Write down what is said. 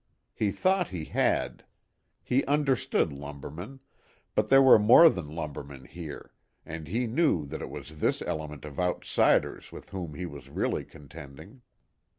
He thought he had; he understood lumbermen, but there were more than lumbermen here, and he knew that it was this element of outsiders with whom he was really contending.